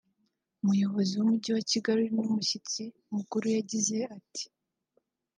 umuyobozi w’umujyi wa Kigali wari n’umushyitsi mukuru yagize ati